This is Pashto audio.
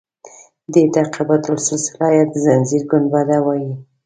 دې ته قبة السلسله یا د زنځیر ګنبده وایي.